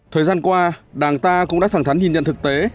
thời gian qua đảng ta cũng đã thẳng thắn nhìn nhận thực tế